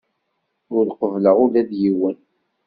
Ur qebbleɣ ula d yiwen.